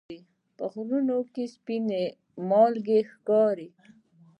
په غرونو کې سپینه مالګه ښکاري.